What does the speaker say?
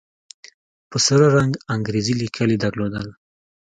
په سره رنگ انګريزي ليکل يې درلودل.